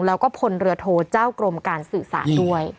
แล้วก็พลเรือโทเจ้ากรมการสื่อสารด้วย